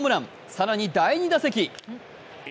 更に第２打席。